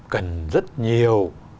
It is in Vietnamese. cần rất nhiều